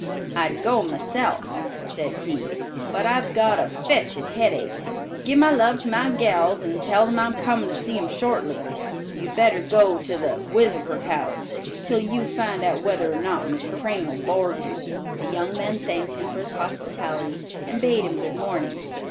"I'd go myself," said he, "but I've got a fetched headache. Give my love to my gals and tell them I'm comin' to see 'em shortly. You'd better go to the Whizzakor House, till you find out whether or not Miss Crane 'll board you." The young men thanked him for his hospitality, and bade him good morning.